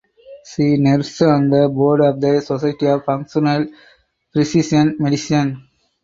She serves on the Board of the Society of Functional Precision Medicine.